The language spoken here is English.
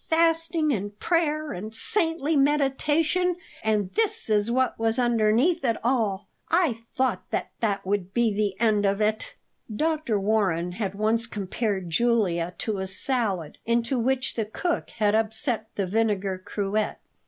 Fasting and prayer and saintly meditation; and this is what was underneath it all! I thought that would be the end of it." Dr. Warren had once compared Julia to a salad into which the cook had upset the vinegar cruet.